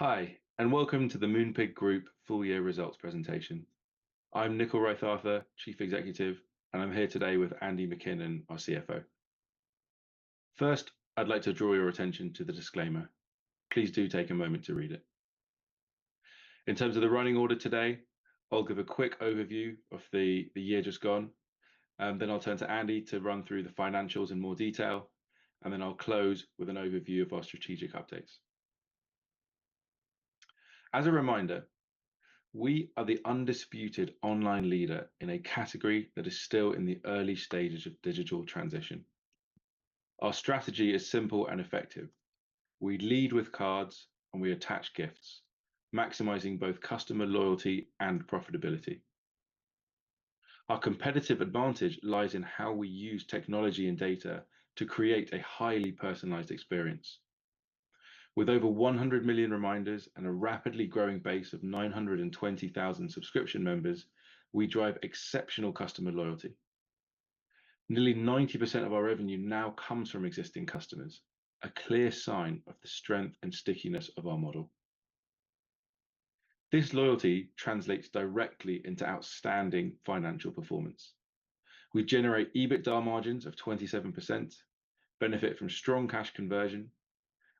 Hi, and welcome to the Moonpig Group full-year results presentation. I'm Nickyl Raithatha, Chief Executive, and I'm here today with Andy MacKinnon, our CFO. First, I'd like to draw your attention to the disclaimer. Please do take a moment to read it. In terms of the running order today, I'll give a quick overview of the year just gone, and then I'll turn to Andy to run through the financials in more detail, and then I'll close with an overview of our strategic updates. As a reminder, we are the undisputed online leader in a category that is still in the early stages of digital transition. Our strategy is simple and effective. We lead with cards, and we attach gifts, maximizing both customer loyalty and profitability. Our competitive advantage lies in how we use technology and data to create a highly personalized experience. With over 100 million reminders and a rapidly growing base of 920,000 subscription members, we drive exceptional customer loyalty. Nearly 90% of our revenue now comes from existing customers, a clear sign of the strength and stickiness of our model. This loyalty translates directly into outstanding financial performance. We generate EBITDA margins of 27%, benefit from strong cash conversion,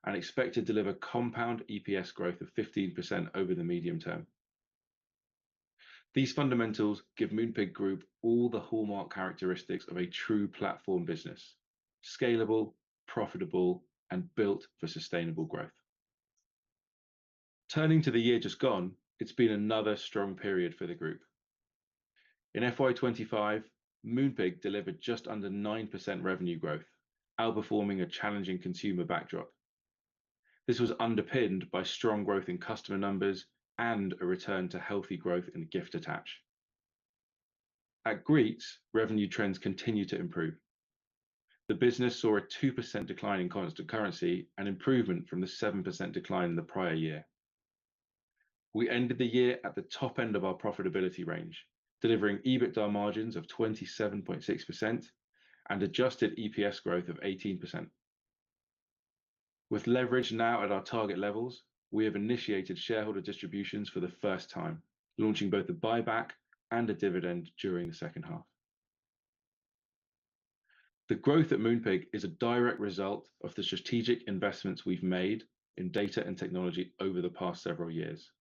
and expect to deliver compound EPS growth of 15% over the medium term. These fundamentals give Moonpig Group all the hallmark characteristics of a true platform business: scalable, profitable, and built for sustainable growth. Turning to the year just gone, it's been another strong period for the group. In FY 2025, Moonpig delivered just under 9% revenue growth, outperforming a challenging consumer backdrop. This was underpinned by strong growth in customer numbers and a return to healthy growth in gift attach. At Greetz, revenue trends continue to improve. The business saw a 2% decline in cost of currency and improvement from the 7% decline in the prior year. We ended the year at the top end of our profitability range, delivering EBITDA margins of 27.6% and adjusted EPS growth of 18%. With leverage now at our target levels, we have initiated shareholder distributions for the first time, launching both a buyback and a dividend during the second half. The growth at Moonpig is a direct result of the strategic investments we've made in data and technology over the past several years,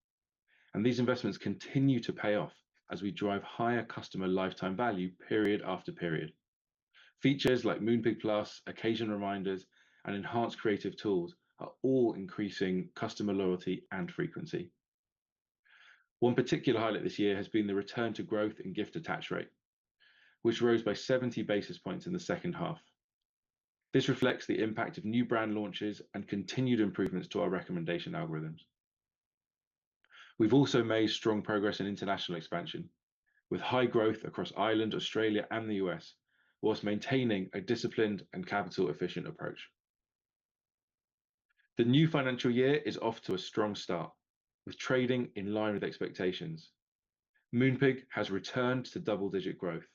and these investments continue to pay off as we drive higher customer lifetime value period after period. Features like Moonpig Plus, occasion reminders, and enhanced creative tools are all increasing customer loyalty and frequency. One particular highlight this year has been the return to growth in gift attach rate, which rose by 70 basis points in the second half. This reflects the impact of new brand launches and continued improvements to our recommendation algorithms. We've also made strong progress in international expansion, with high growth across Ireland, Australia, and the U.S., whilst maintaining a disciplined and capital-efficient approach. The new financial year is off to a strong start, with trading in line with expectations. Moonpig has returned to double-digit growth.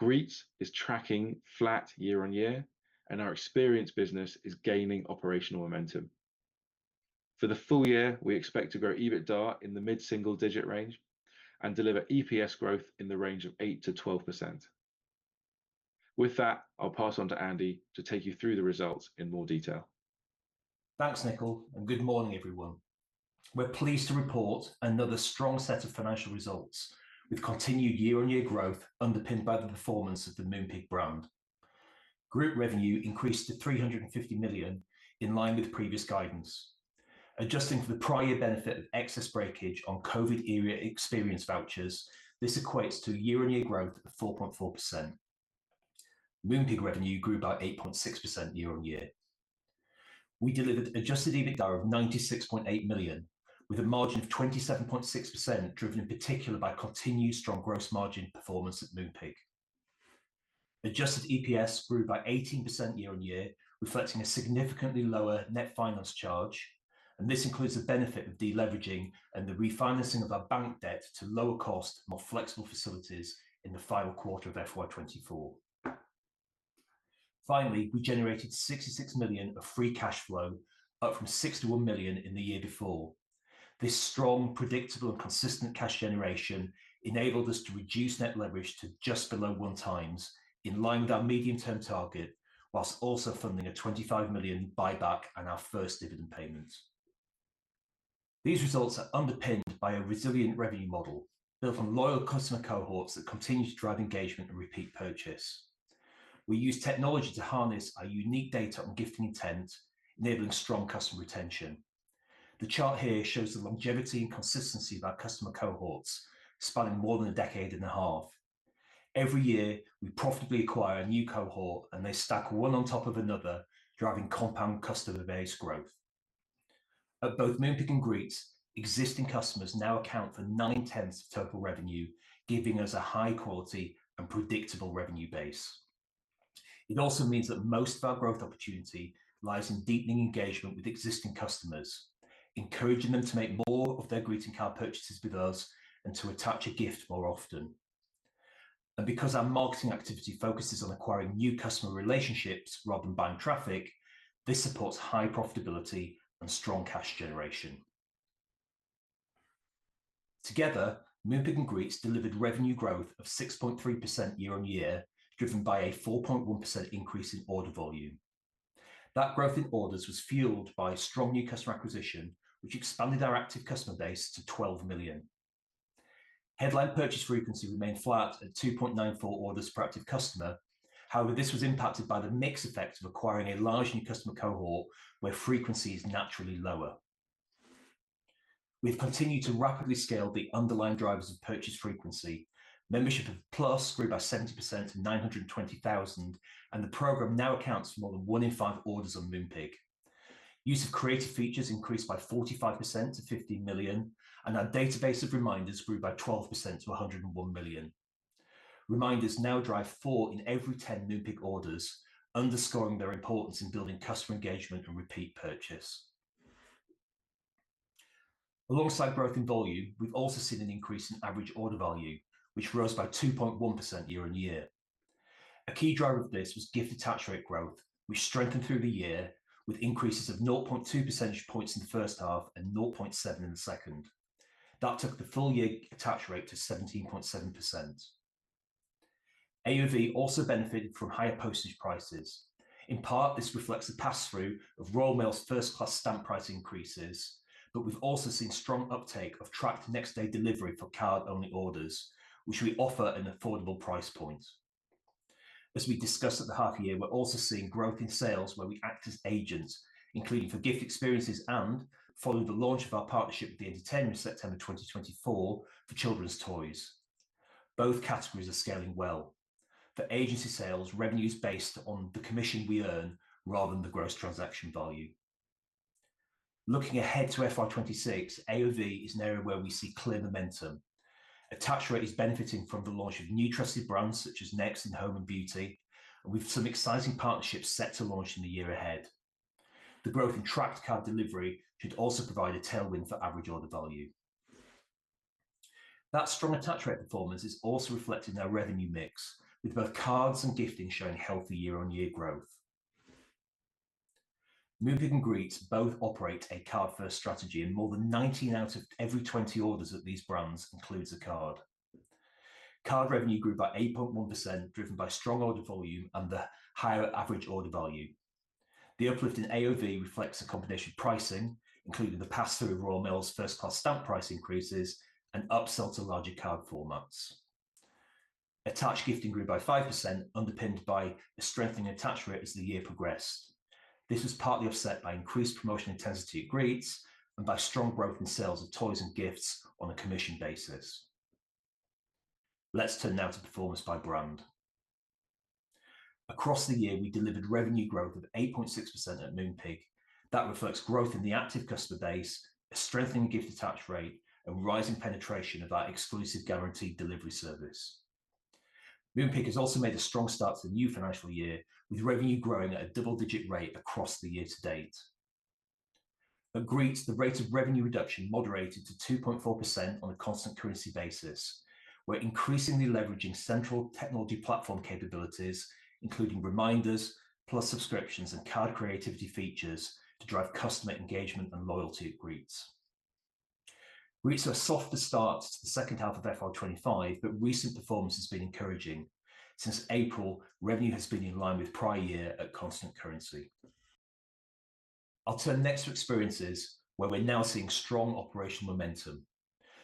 Greetz is tracking flat year-on-year, and our Experiences business is gaining operational momentum. For the full year, we expect to grow EBITDA in the mid-single-digit range and deliver EPS growth in the range of 8%-12%. With that, I'll pass on to Andy to take you through the results in more detail. Thanks, Nickyl, and good morning, everyone. We're pleased to report another strong set of financial results, with continued year-on-year growth underpinned by the performance of the Moonpig brand. Group revenue increased to 350 million, in line with previous guidance. Adjusting for the prior benefit of excess breakage on COVID-era experience vouchers, this equates to year-on-year growth of 4.4%. Moonpig revenue grew by 8.6% year-on-year. We delivered adjusted EBITDA of 96.8 million, with a margin of 27.6% driven in particular by continued strong gross margin performance at Moonpig. Adjusted EPS grew by 18% year-on-year, reflecting a significantly lower net finance charge, and this includes the benefit of deleveraging and the refinancing of our bank debt to lower-cost, more flexible facilities in the final quarter of FY 2024. Finally, we generated 66 million of free cash flow, up from 61 million in the year before. This strong, predictable, and consistent cash generation enabled us to reduce net leverage to just below one times, in line with our medium-term target, whilst also funding a 25 million buyback and our first dividend payment. These results are underpinned by a resilient revenue model built on loyal customer cohorts that continue to drive engagement and repeat purchase. We use technology to harness our unique data on gifting intent, enabling strong customer retention. The chart here shows the longevity and consistency of our customer cohorts, spanning more than a decade and a half. Every year, we profitably acquire a new cohort, and they stack one on top of another, driving compound customer base growth. At both Moonpig and Greetz, existing customers now account for nine-10ths of total revenue, giving us a high-quality and predictable revenue base. It also means that most of our growth opportunity lies in deepening engagement with existing customers, encouraging them to make more of their Greeting Card purchases with us and to attach a gift more often. Because our marketing activity focuses on acquiring new customer relationships rather than buying traffic, this supports high profitability and strong cash generation. Together, Moonpig and Greetz delivered revenue growth of 6.3% year-on-year, driven by a 4.1% increase in order volume. That growth in orders was fueled by strong new customer acquisition, which expanded our active customer base to 12 million. Headline purchase frequency remained flat at 2.94 orders per active customer; however, this was impacted by the mixed effect of acquiring a large new customer cohort, where frequency is naturally lower. We have continued to rapidly scale the underlying drivers of purchase frequency. Membership of Plus grew by 70% to 920,000, and the program now accounts for more than one in five orders on Moonpig. Use of creative features increased by 45% to 15 million, and our database of reminders grew by 12% to 101 million. Reminders now drive four in every 10 Moonpig orders, underscoring their importance in building customer engagement and repeat purchase. Alongside growth in volume, we have also seen an increase in average order value, which rose by 2.1% year-on-year. A key driver of this was gift attach rate growth, which strengthened through the year, with increases of 0.2 percentage points in the first half and 0.7 in the second. That took the full-year attach rate to 17.7%. AOV also benefited from higher postage prices. In part, this reflects the pass-through of Royal Mail's first-class stamp price increases, but we've also seen strong uptake of tracked next-day delivery for card-only orders, which we offer at an affordable price point. As we discussed at the heart of the year, we're also seeing growth in sales where we act as agents, including for gift experiences and following the launch of our partnership with The Entertainer in September 2024 for children's toys. Both categories are scaling well. For agency sales, revenue is based on the commission we earn rather than the gross transaction value. Looking ahead to FY 2026, AOV is an area where we see clear momentum. Attach rate is benefiting from the launch of new trusted brands such as Next and Home and Beauty, and we've some exciting partnerships set to launch in the year ahead. The growth in tracked card delivery should also provide a tailwind for average order value. That strong attach rate performance is also reflected in our revenue mix, with both cards and gifting showing healthy year-on-year growth. Moonpig and Greetz both operate a card-first strategy, and more than 19 out of every 20 orders at these brands includes a card. Card revenue grew by 8.1%, driven by strong order volume and the higher average order value. The uplift in AOV reflects the combination of pricing, including the pass-through of Royal Mail's first-class stamp price increases and upsells to larger card formats. Attached gifting grew by 5%, underpinned by a strengthening attach rate as the year progressed. This was partly offset by increased promotion intensity at Greetz and by strong growth in sales of toys and gifts on a commission basis. Let's turn now to performance by brand. Across the year, we delivered revenue growth of 8.6% at Moonpig. That reflects growth in the active customer base, a strengthening gift attach rate, and rising penetration of our exclusive guaranteed delivery service. Moonpig has also made a strong start to the new financial year, with revenue growing at a double-digit rate across the year to date. At Greetz, the rate of revenue reduction moderated to 2.4% on a constant currency basis. We're increasingly leveraging central technology platform capabilities, including occasion reminders, Plus subscriptions, and card creativity features to drive customer engagement and loyalty at Greetz. Greetz had a softer start to the second half of FY 2025, but recent performance has been encouraging. Since April, revenue has been in line with prior year at constant currency. I'll turn next to Experiences, where we're now seeing strong operational momentum.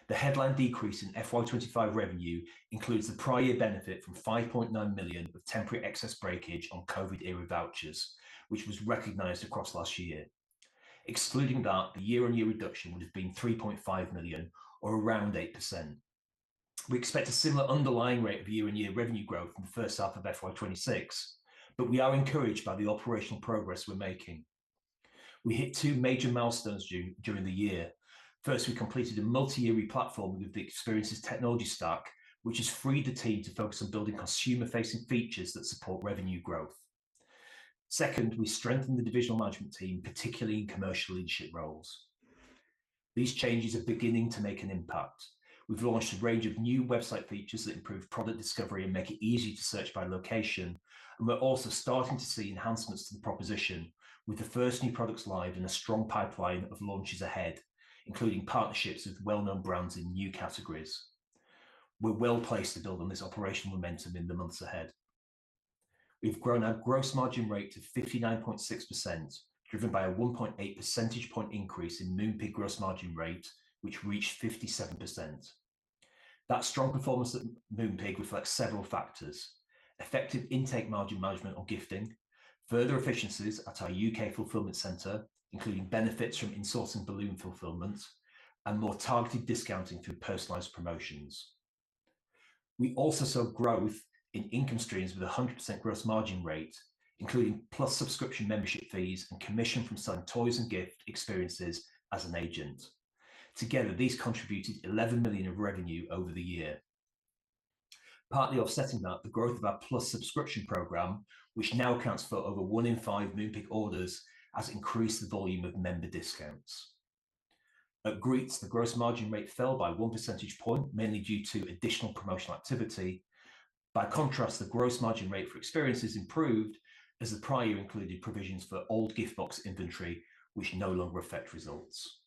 The headline decrease in FY 2025 revenue includes the prior year benefit from 5.9 million of temporary excess breakage on COVID-era vouchers, which was recognized across last year. Excluding that, the year-on-year reduction would have been 3.5 million, or around 8%. We expect a similar underlying rate of year-on-year revenue growth in the first half of FY 2026, but we are encouraged by the operational progress we're making. We hit two major milestones during the year. First, we completed a multi-year replatforming of the experiences technology stack, which has freed the team to focus on building consumer-facing features that support revenue growth. Second, we strengthened the divisional management team, particularly in commercial leadership roles. These changes are beginning to make an impact. We've launched a range of new website features that improve product discovery and make it easy to search by location, and we're also starting to see enhancements to the proposition, with the first new products live and a strong pipeline of launches ahead, including partnerships with well-known brands in new categories. We're well placed to build on this operational momentum in the months ahead. We've grown our gross margin rate to 59.6%, driven by a 1.8 percentage point increase in Moonpig gross margin rate, which reached 57%. That strong performance at Moonpig reflects several factors: effective intake margin management on gifting, further efficiencies at our U.K. fulfillment center, including benefits from insourcing balloon fulfillment, and more targeted discounting through personalized promotions. We also saw growth in income streams with a 100% gross margin rate, including Plus subscription membership fees and commission from selling toys and gift experiences as an agent. Together, these contributed 11 million of revenue over the year. Partly offsetting that, the growth of our Plus subscription program, which now accounts for over one in five Moonpig orders, has increased the volume of member discounts. At Greetz, the gross margin rate fell by one percentage point, mainly due to additional promotional activity. By contrast, the gross margin rate for experiences improved as the prior year included provisions for old gift box inventory, which no longer affect results.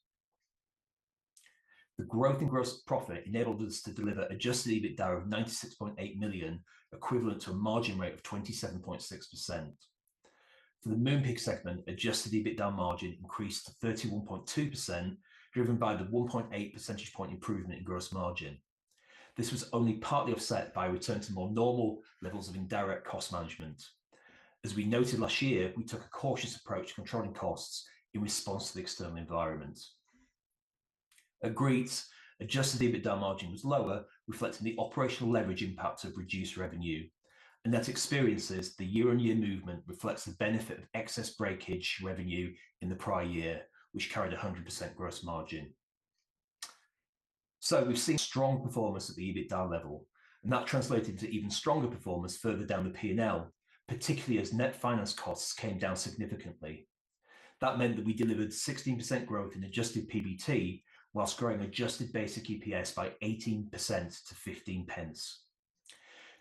The growth in gross profit enabled us to deliver adjusted EBITDA of 96.8 million, equivalent to a margin rate of 27.6%. For the Moonpig segment, adjusted EBITDA margin increased to 31.2%, driven by the 1.8 percentage point improvement in gross margin. This was only partly offset by a return to more normal levels of indirect cost management. As we noted last year, we took a cautious approach to controlling costs in response to the external environment. At Greetz, adjusted EBITDA margin was lower, reflecting the operational leverage impact of reduced revenue. At Experiences, the year-on-year movement reflects the benefit of excess breakage revenue in the prior year, which carried a 100% gross margin. We have seen strong performance at the EBITDA level, and that translated into even stronger performance further down the P&L, particularly as net finance costs came down significantly. That meant that we delivered 16% growth in adjusted PBT, whilst growing adjusted basic EPS by 18% to 0.15.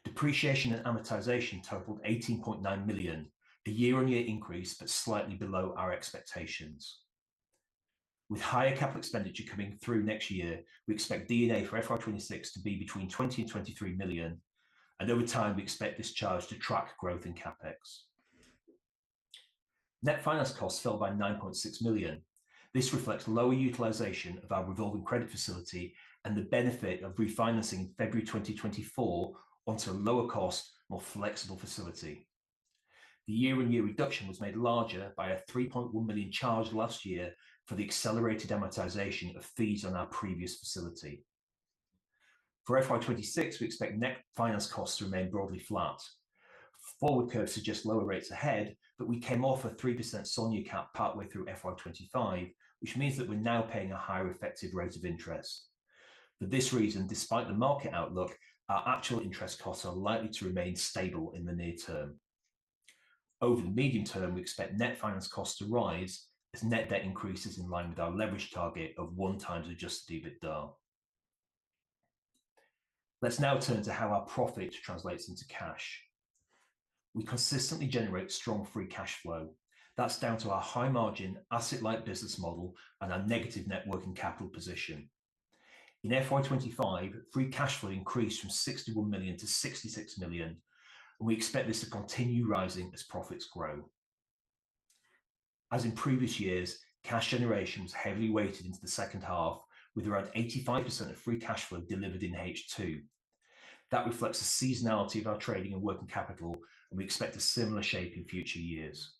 Depreciation and amortization totaled 18.9 million, a year-on-year increase, but slightly below our expectations. With higher capital expenditure coming through next year, we expect D&A for FY 2026 to be between 20 million-23 million, and over time, we expect this charge to track growth in CapEx. Net finance costs fell by 9.6 million. This reflects lower utilization of our revolving credit facility and the benefit of refinancing February 2024 onto a lower-cost, more flexible facility. The year-on-year reduction was made larger by a 3.1 million charge last year for the accelerated amortization of fees on our previous facility. For FY 2026, we expect net finance costs to remain broadly flat. Forward curve suggests lower rates ahead, but we came off a 3% SONIA cap partway through FY 2025, which means that we're now paying a higher effective rate of interest. For this reason, despite the market outlook, our actual interest costs are likely to remain stable in the near term. Over the medium term, we expect net finance costs to rise as net debt increases in line with our leverage target of one times adjusted EBITDA. Let's now turn to how our profit translates into cash. We consistently generate strong free cash flow. That's down to our high-margin, asset-light business model and our negative net working capital position. In FY 2025, free cash flow increased from 61 million to 66 million, and we expect this to continue rising as profits grow. As in previous years, cash generation was heavily weighted into the second half, with around 85% of free cash flow delivered in H2. That reflects the seasonality of our trading and working capital, and we expect a similar shape in future years.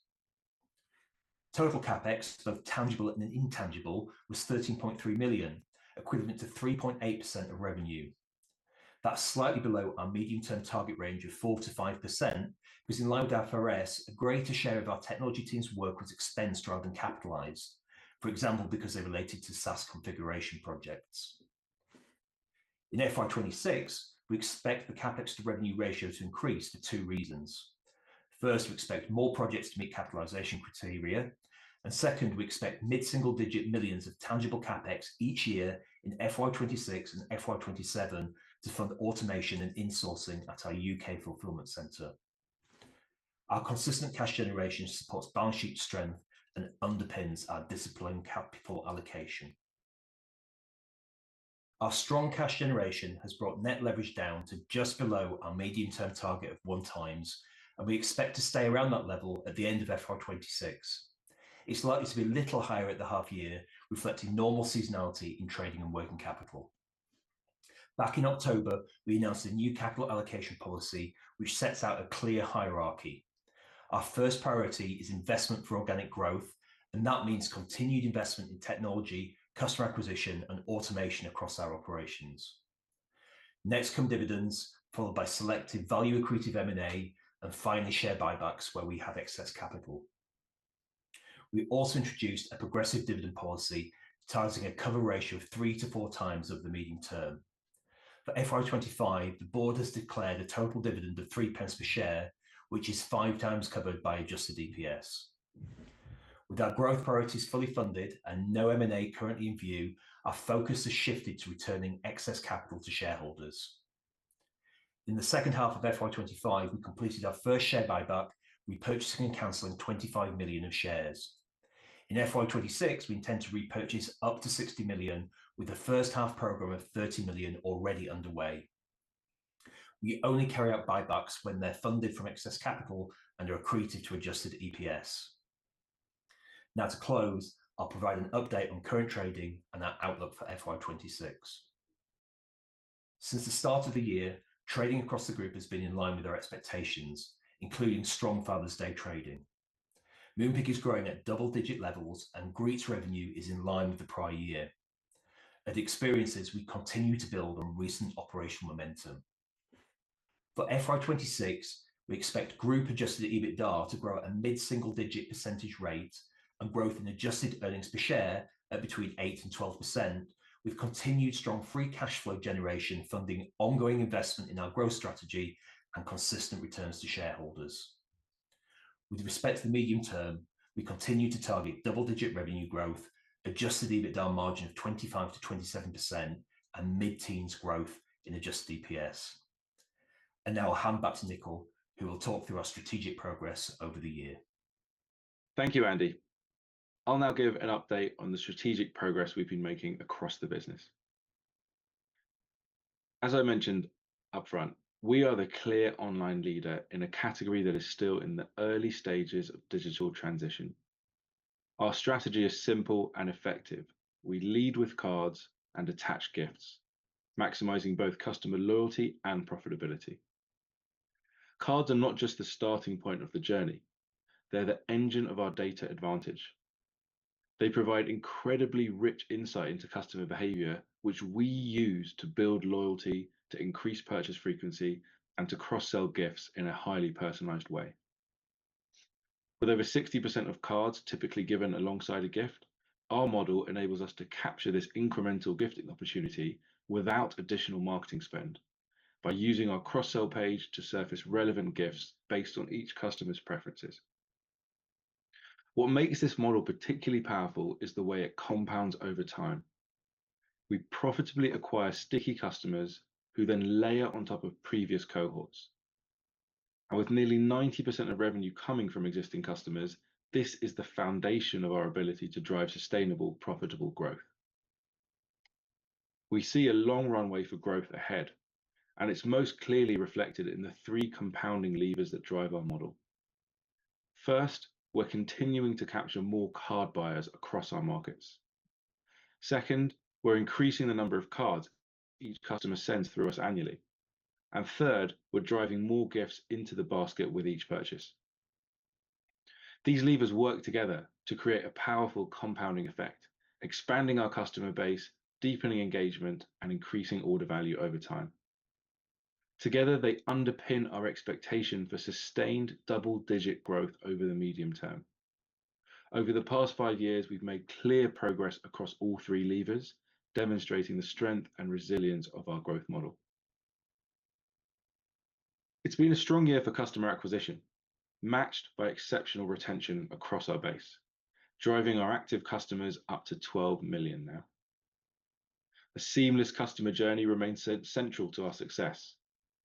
Total CapEx, both tangible and intangible, was 13.3 million, equivalent to 3.8% of revenue. That's slightly below our medium-term target range of 4%-5%, because in line with our FRS, a greater share of our technology team's work was expensed rather than capitalized, for example, because they related to SaaS configuration projects. In FY 2026, we expect the CapEx to revenue ratio to increase for two reasons. First, we expect more projects to meet capitalization criteria, and second, we expect mid-single-digit millions of tangible CapEx each year in FY 2026 and FY 2027 to fund automation and insourcing at our U.K. fulfillment center. Our consistent cash generation supports balance sheet strength and underpins our disciplined capital allocation. Our strong cash generation has brought net leverage down to just below our medium-term target of one times, and we expect to stay around that level at the end of FY2026. It's likely to be a little higher at the half-year, reflecting normal seasonality in trading and working capital. Back in October, we announced a new capital allocation policy, which sets out a clear hierarchy. Our first priority is investment for organic growth, and that means continued investment in technology, customer acquisition, and automation across our operations. Next come dividends, followed by selective value-accretive M&A, and finally share buybacks where we have excess capital. We also introduced a progressive dividend policy, targeting a cover ratio of three to four times over the medium term. For FY 2025, the board has declared a total dividend of 0.03 per share, which is five times covered by adjusted EPS. With our growth priorities fully funded and no M&A currently in view, our focus has shifted to returning excess capital to shareholders. In the second half of FY 2025, we completed our first share buyback, repurchasing and canceling 25 million shares. In FY 2026, we intend to repurchase up to 60 million, with a first-half program of 30 million already underway. We only carry out buybacks when they're funded from excess capital and are accretive to adjusted EPS. Now, to close, I'll provide an update on current trading and our outlook for FY 2026. Since the start of the year, trading across the group has been in line with our expectations, including strong Father's Day trading. Moonpig is growing at double-digit levels, and Greetz revenue is in line with the prior year. At Experiences, we continue to build on recent operational momentum. For FY 2026, we expect group-adjusted EBITDA to grow at a mid-single-digit percentage rate and growth in adjusted earnings per share at between 8%-12%, with continued strong free cash flow generation funding ongoing investment in our growth strategy and consistent returns to shareholders. With respect to the medium term, we continue to target double-digit revenue growth, adjusted EBITDA margin of 25%-27%, and mid-teens growth in adjusted EPS. I'll now hand back to Nickyl, who will talk through our strategic progress over the year. Thank you, Andy. I'll now give an update on the strategic progress we've been making across the business. As I mentioned upfront, we are the clear online leader in a category that is still in the early stages of digital transition. Our strategy is simple and effective. We lead with cards and attached gifts, maximizing both customer loyalty and profitability. Cards are not just the starting point of the journey. They're the engine of our data advantage. They provide incredibly rich insight into customer behavior, which we use to build loyalty, to increase purchase frequency, and to cross-sell gifts in a highly personalized way. With over 60% of cards typically given alongside a gift, our model enables us to capture this incremental gifting opportunity without additional marketing spend by using our cross-sell page to surface relevant gifts based on each customer's preferences. What makes this model particularly powerful is the way it compounds over time. We profitably acquire sticky customers who then layer on top of previous cohorts. With nearly 90% of revenue coming from existing customers, this is the foundation of our ability to drive sustainable, profitable growth. We see a long runway for growth ahead, and it is most clearly reflected in the three compounding levers that drive our model. First, we are continuing to capture more card buyers across our markets. Second, we are increasing the number of cards each customer sends through us annually. Third, we are driving more gifts into the basket with each purchase. These levers work together to create a powerful compounding effect, expanding our customer base, deepening engagement, and increasing order value over time. Together, they underpin our expectation for sustained double-digit growth over the medium term. Over the past five years, we've made clear progress across all three levers, demonstrating the strength and resilience of our growth model. It's been a strong year for customer acquisition, matched by exceptional retention across our base, driving our active customers up to 12 million now. A seamless customer journey remains central to our success.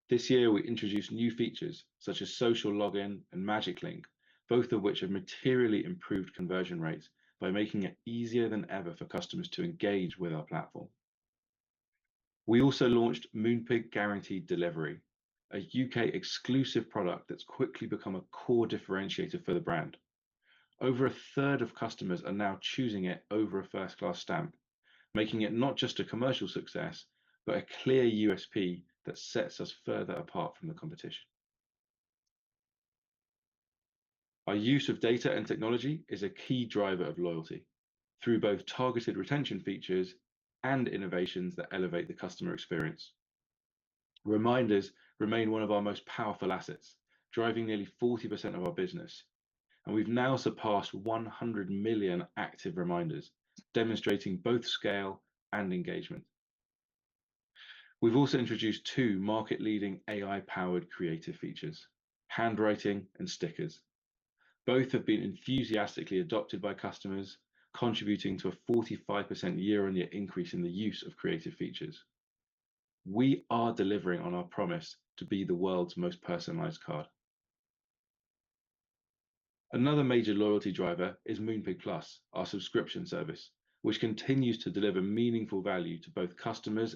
This year, we introduced new features such as Social Login and Magic Link, both of which have materially improved conversion rates by making it easier than ever for customers to engage with our platform. We also launched Moonpig Guaranteed Delivery, a U.K.-exclusive product that's quickly become a core differentiator for the brand. Over a third of customers are now choosing it over a first-class stamp, making it not just a commercial success, but a clear USP that sets us further apart from the competition. Our use of data and technology is a key driver of loyalty through both targeted retention features and innovations that elevate the customer experience. Reminders remain one of our most powerful assets, driving nearly 40% of our business, and we've now surpassed 100 million active reminders, demonstrating both scale and engagement. We've also introduced two market-leading AI-powered creative features, Handwriting and Stickers. Both have been enthusiastically adopted by customers, contributing to a 45% year-on-year increase in the use of creative features. We are delivering on our promise to be the world's most personalized card. Another major loyalty driver is Moonpig Plus, our subscription service, which continues to deliver meaningful value to both customers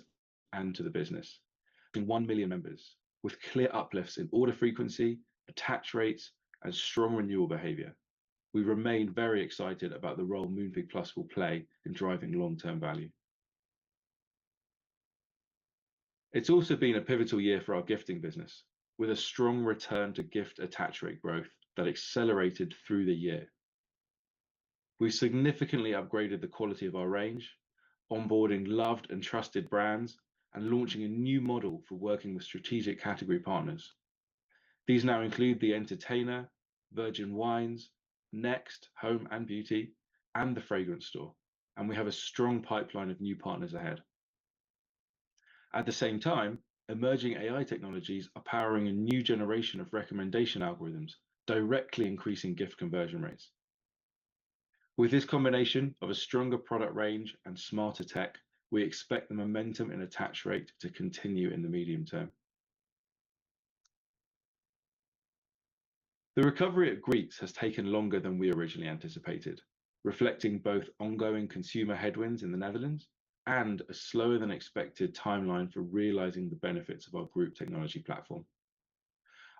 and to the business. In 1 million members, with clear uplifts in order frequency, attach rates, and strong renewal behavior, we remain very excited about the role Moonpig Plus will play in driving long-term value. It's also been a pivotal year for our gifting business, with a strong return to gift attach rate growth that accelerated through the year. We've significantly upgraded the quality of our range, onboarding loved and trusted brands, and launching a new model for working with strategic category partners. These now include The Entertainer, Virgin Wines, Next, Home and Beauty, and The Fragrance Shop, and we have a strong pipeline of new partners ahead. At the same time, emerging AI technologies are powering a new generation of recommendation algorithms, directly increasing gift conversion rates. With this combination of a stronger product range and smarter tech, we expect the momentum in attach rate to continue in the medium term. The recovery at Greetz has taken longer than we originally anticipated, reflecting both ongoing consumer headwinds in the Netherlands and a slower-than-expected timeline for realizing the benefits of our group technology platform.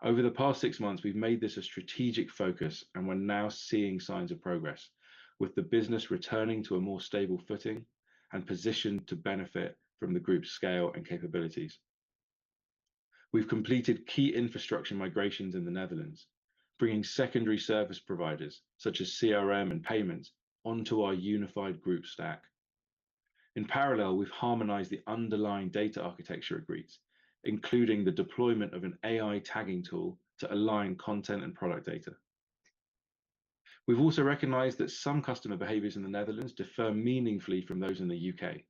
Over the past six months, we've made this a strategic focus, and we're now seeing signs of progress, with the business returning to a more stable footing and positioned to benefit from the group's scale and capabilities. We've completed key infrastructure migrations in the Netherlands, bringing secondary service providers such as CRM and payments onto our unified group stack. In parallel, we've harmonized the underlying data architecture at Greetz, including the deployment of an AI tagging tool to align content and product data. We've also recognized that some customer behaviors in the Netherlands differ meaningfully from those in the U.K.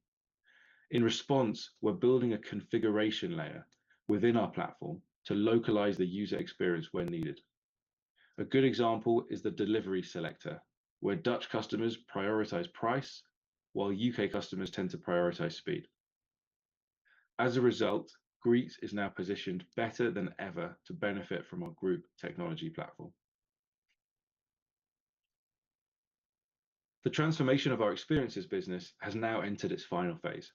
In response, we're building a configuration layer within our platform to localize the user experience when needed. A good example is the delivery selector, where Dutch customers prioritize price while U.K. customers tend to prioritize speed. As a result, Greetz is now positioned better than ever to benefit from our group technology platform. The transformation of our experiences business has now entered its final phase.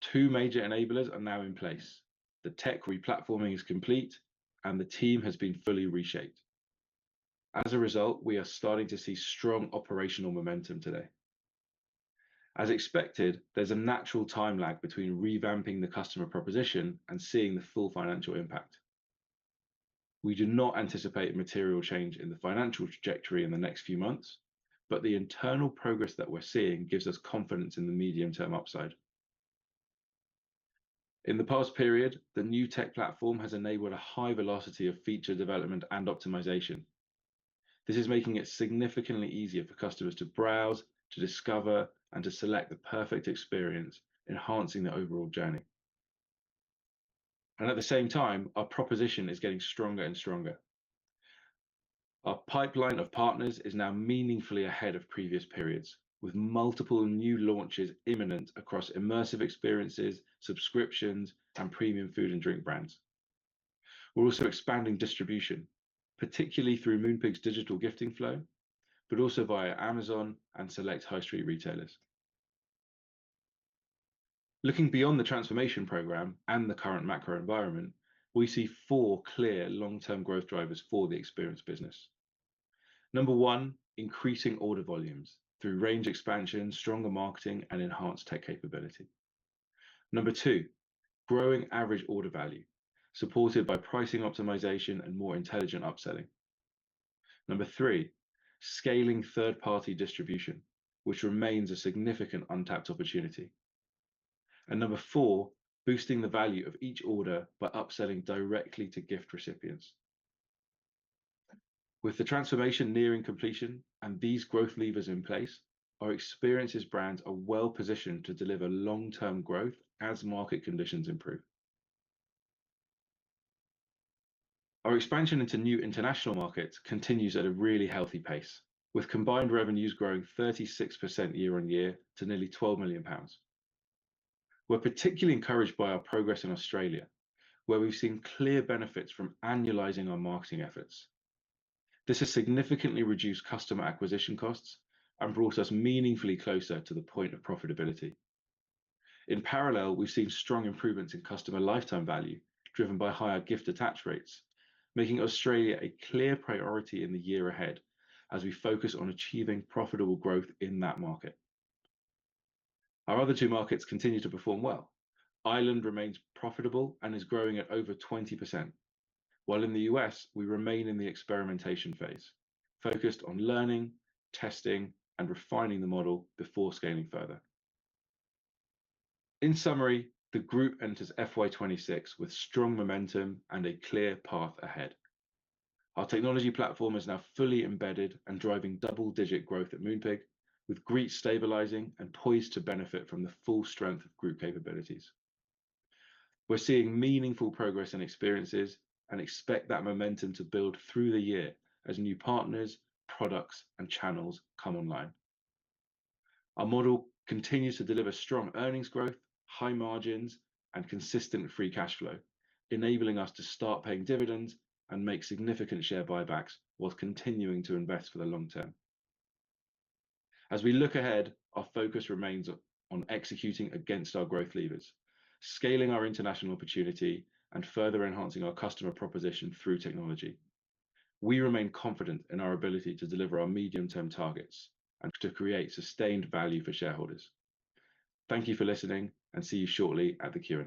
Two major enablers are now in place: the tech replatforming is complete, and the team has been fully reshaped. As a result, we are starting to see strong operational momentum today. As expected, there's a natural time lag between revamping the customer proposition and seeing the full financial impact. We do not anticipate material change in the financial trajectory in the next few months, but the internal progress that we're seeing gives us confidence in the medium-term upside. In the past period, the new tech platform has enabled a high velocity of feature development and optimization. This is making it significantly easier for customers to browse, to discover, and to select the perfect experience, enhancing the overall journey. At the same time, our proposition is getting stronger and stronger. Our pipeline of partners is now meaningfully ahead of previous periods, with multiple new launches imminent across immersive experiences, subscriptions, and premium food and drink brands. We are also expanding distribution, particularly through Moonpig's digital gifting flow, but also via Amazon and select high-street retailers. Looking beyond the transformation program and the current macro environment, we see four clear long-term growth drivers for the experience business. Number one, increasing order volumes through range expansion, stronger marketing, and enhanced tech capability. Number two, growing average order value, supported by pricing optimization and more intelligent upselling. Number three, scaling third-party distribution, which remains a significant untapped opportunity. Number four, boosting the value of each order by upselling directly to gift recipients. With the transformation nearing completion and these growth levers in place, our Experiences brands are well positioned to deliver long-term growth as market conditions improve. Our expansion into new international markets continues at a really healthy pace, with combined revenues growing 36% year-on-year to nearly 12 million pounds. We are particularly encouraged by our progress in Australia, where we have seen clear benefits from annualizing our marketing efforts. This has significantly reduced customer acquisition costs and brought us meaningfully closer to the point of profitability. In parallel, we have seen strong improvements in customer lifetime value driven by higher gift attach rates, making Australia a clear priority in the year ahead as we focus on achieving profitable growth in that market. Our other two markets continue to perform well. Ireland remains profitable and is growing at over 20%, while in the U.S., we remain in the experimentation phase, focused on learning, testing, and refining the model before scaling further. In summary, the group enters FY 2026 with strong momentum and a clear path ahead. Our technology platform is now fully embedded and driving double-digit growth at Moonpig, with Greetz stabilizing and poised to benefit from the full strength of group capabilities. We're seeing meaningful progress in Experiences and expect that momentum to build through the year as new partners, products, and channels come online. Our model continues to deliver strong earnings growth, high margins, and consistent free cash flow, enabling us to start paying dividends and make significant share buybacks while continuing to invest for the long term. As we look ahead, our focus remains on executing against our growth levers, scaling our international opportunity, and further enhancing our customer proposition through technology. We remain confident in our ability to deliver our medium-term targets and to create sustained value for shareholders. Thank you for listening, and see you shortly at the Q&A.